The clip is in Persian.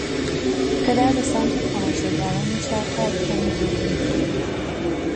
پدر به سمت تماشاگران میچرخد کمی جلو میآید